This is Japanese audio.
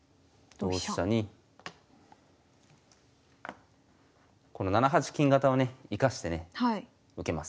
同飛車にこの７八金型をね生かしてね受けます。